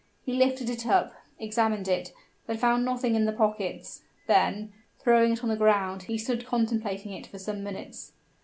He lifted it up, examined it, but found nothing in the pockets; then, throwing it on the ground, he stood contemplating it for some minutes.